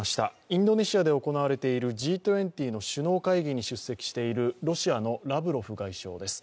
インドネシアで行われているＧ２０の首脳会議に出席しているロシアのラブロフ外相です。